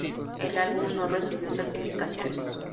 El álbum no recibió certificaciones.